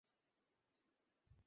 আপনারা কবে থেকে এখানে আছেন?